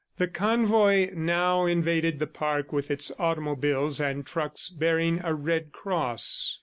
The convoy now invaded the park with its automobiles and trucks bearing a red cross.